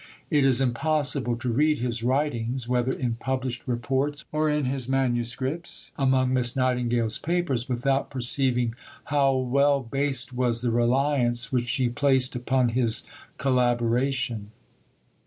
It is impossible to read his writings whether in published reports or in his manuscripts among Miss Nightingale's papers without perceiving how well based was the reliance which she placed upon his collaboration.